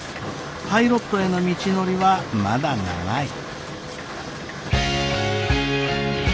パイロットへの道のりはまだ長い。